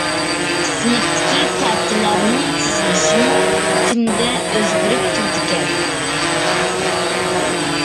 سىنىپتىكى پارتىلارنىڭ تىزىلىشىمۇ كۈندە ئۆزگىرىپ تۇرىدىكەن.